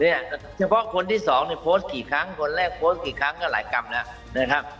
เฉพาะคนที่สองเนี่ยโพสต์กี่ครั้งคนแรกโพสต์กี่ครั้งก็หลายกรรมแล้วนะครับ